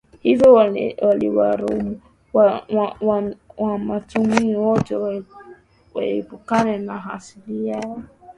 hivyo waliwaamuru Wamatumbi wote kuepukana na asili yao